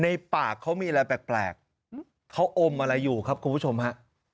ในปากเขามีอะไรแปลกเขาอมอะไรอยู่ครับคุณผู้ชมฮะ